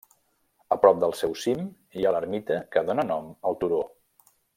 A prop del seu cim hi ha l'ermita que dóna nom al turó.